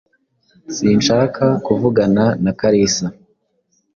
Sinshaka kuvugana na Kalisa.